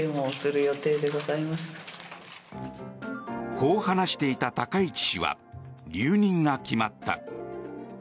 こう話していた高市氏は留任が決まった。